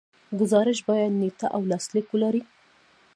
ګزارش باید نیټه او لاسلیک ولري.